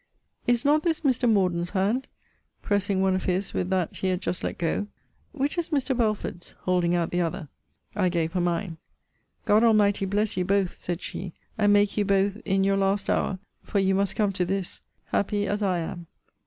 Is not this Mr. Morden's hand? pressing one of his with that he had just let go. Which is Mr. Belford's? holding out the other. I gave her mine. God Almighty bless you both, said she, and make you both in your last hour for you must come to this happy as I am.